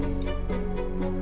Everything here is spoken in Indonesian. tuhan aku mau nyunggu